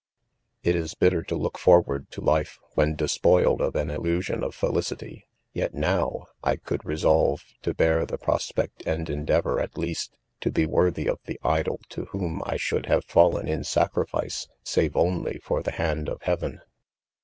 : 4 It is hitter to look forward to life, when despoiled of an illusion of felicity, yet now, I could resolve to hear the prospect and endea vor, at least, to he worthy of the idol to whom I should have fallen in sacrifice, «ave only for the hand of heaven.